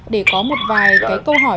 để có một vài câu hỏi